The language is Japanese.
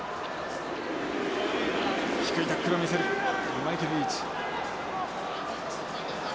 低いタックルを見せるマイケルリーチ。